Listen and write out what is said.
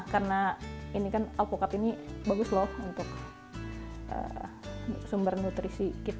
karena ini kan alpukat ini bagus loh untuk sumber nutrisi kita